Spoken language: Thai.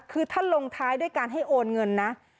คือถ้าลงท้ายด้วยการให้โอนเงินนะ